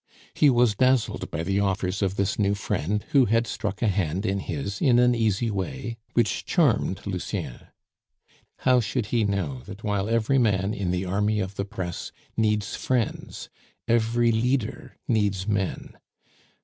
He was dazzled by the offers of this new friend, who had struck a hand in his in an easy way, which charmed Lucien. How should he know that while every man in the army of the press needs friends, every leader needs men.